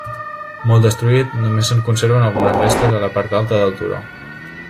Molt destruït, només se'n conserven algunes restes a la part alta del turó.